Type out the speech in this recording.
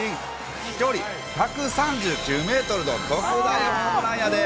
飛距離１３９メートルの特大ホームランやで。